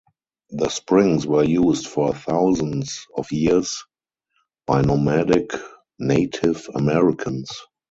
The springs were used for thousands of years by nomadic Native Americans.